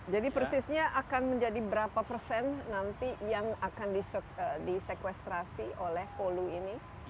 jadi persisnya akan menjadi berapa persen nanti yang akan disequestrasi oleh polu ini